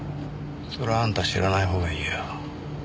それはあんた知らない方がいいよ。